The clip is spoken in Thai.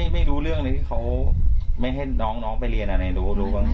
ไม่รู้เรื่องอะไรที่เขาไม่ให้น้องไปเรียนอันนี้ดู